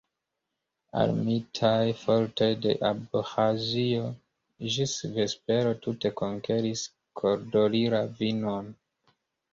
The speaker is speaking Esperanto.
Armitaj fortoj de Abĥazio ĝis vespero tute konkeris Kodori-ravinon.